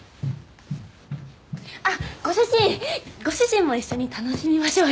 あっご主人ご主人も一緒に楽しみましょうよ。